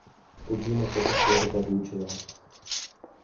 Později na této škole také vyučovala.